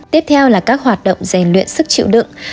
tiếp theo là các hoạt động rèn luyện sức chịu đựng